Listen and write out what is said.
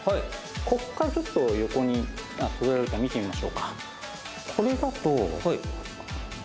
ここからちょっと横に見てみましょうか。